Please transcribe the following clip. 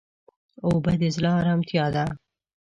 اوبه د زړه ارامتیا ده.